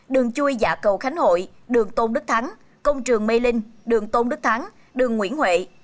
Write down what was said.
đường chui dạ cầu khánh hội đường tôn đức thắng công trường mây linh đường tôn đức thắng đường nguyễn huệ